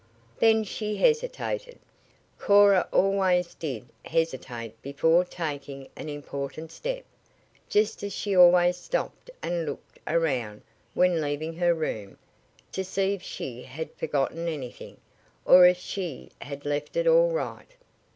Then she hesitated. Cora always did hesitate before taking an important step, just as she always stopped and looked around when leaving her room to see if she had forgotten anything, or if she had left it all right.